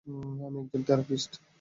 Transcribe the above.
আমি একজন থেরাপিস্ট।